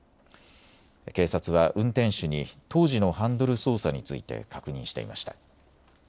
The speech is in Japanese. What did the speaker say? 警察は運転手に当時のハンドル操作について確認していました。